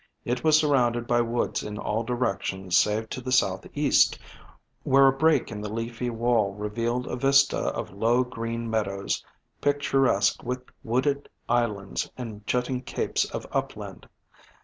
It was surrounded by woods in all directions save to the southeast, where a break in the leafy wall revealed a vista of low, green meadows, picturesque with wooded islands and jutting capes of upland.